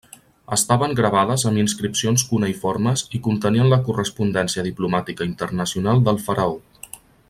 Estaven gravades amb inscripcions cuneïformes i contenien la correspondència diplomàtica internacional del faraó.